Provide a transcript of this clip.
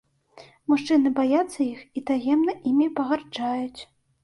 Мужчыны баяцца іх і таемна імі пагарджаюць.